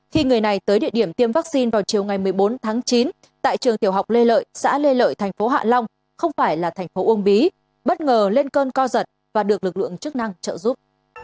khi người này tới địa điểm tiêm vaccine vào chiều ngày một mươi bốn tháng chín tại trường tiểu học lê lợi xã lê lợi thành phố hạ long không phải là thành phố uông bí bất ngờ lên cơn co giật và được lực lượng chức năng trợ giúp